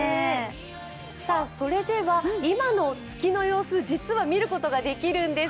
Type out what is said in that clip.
それでは今の月の様子、実は見ることができるんです。